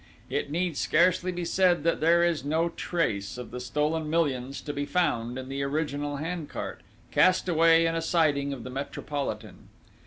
It need scarcely be said that there is no trace of the stolen millions to be found in the original hand cart, cast away in a siding of the Metropolitan....